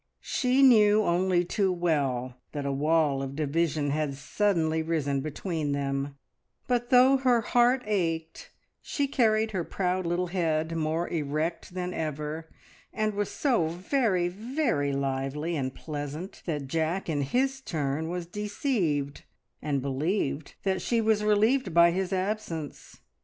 She knew only too well that a wall of division had suddenly risen between them, but though her heart ached she carried her proud little head more erect than ever, and was so very, very lively and pleasant that Jack in his turn was deceived, and believed that she was relieved by his absence.